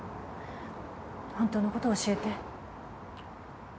本当のことを教えて。